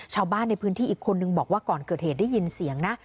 ชาวบ้านในพื้นที่อีกคนนึงบอกว่าก่อนเกิดเหตุได้ยินเสียงนะ